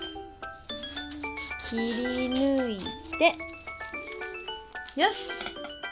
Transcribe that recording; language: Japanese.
切りぬいてよし！